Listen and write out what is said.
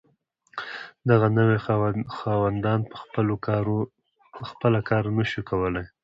دغه نوي خاوندان په خپله کار نشو کولی.